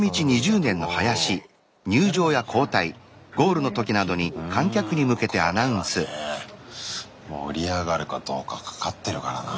うんこれはね盛り上がるかどうかかかってるからなあ。